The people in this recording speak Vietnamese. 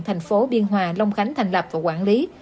thành phố biên hòa long khánh thành lập và quản lý